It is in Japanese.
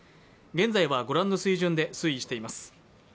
現在は、御覧の水準で推移しています。